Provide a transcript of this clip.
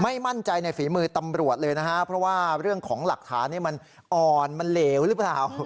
ไม่มั่นใจในฝีมือตำรวจเลยนะฮะเพราะว่าเรื่องของหลักฐานมันอ่อนมันเหลวหรือเปล่า